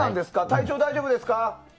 体調大丈夫ですか？